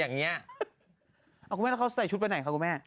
ตอนนี้ก็ทำกับอะไรอย่างนี้